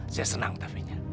saya senang tafinya